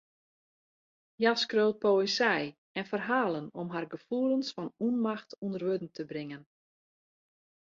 Hja skriuwt poëzy en ferhalen om har gefoelens fan ûnmacht ûnder wurden te bringen.